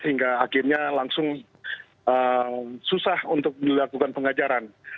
sehingga akhirnya langsung susah untuk melakukan pengajaran